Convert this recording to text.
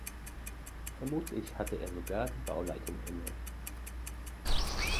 Vermutlich hatte er sogar die Bauleitung inne.